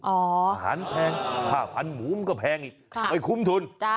อาหารแพงผ้าพันหมูมันก็แพงอีกไม่คุ้มทุน